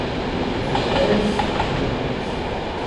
O lo eres o no lo eres.